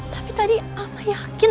tapi tadi ampun yakin